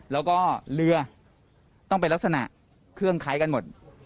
แล้วก็เรือต้องเป็นลักษณะเครื่องคล้ายกันหมด